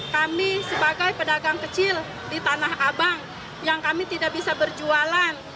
kami sebagai pedagang kecil di tanah abang yang kami tidak bisa berjualan